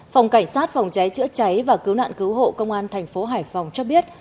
phòng cảnh sát phòng cháy chữa cháy và cứu nạn cứu hộ công an tp hải phòng cho biết